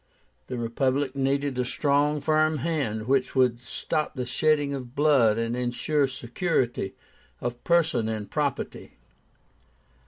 The Republic needed a strong, firm hand, which would stop the shedding of blood and insure security of person and property.